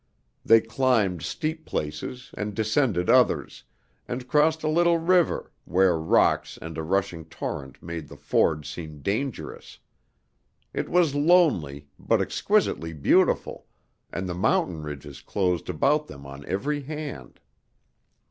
They climbed steep places and descended others, and crossed a little river, where rocks and a rushing torrent made the ford seem dangerous. It was lonely, but exquisitely beautiful, and the mountain ridges closed about them on every hand.